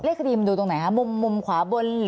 มุมดูตรงไหนครับมุมขวาบนหรือตรงต่าง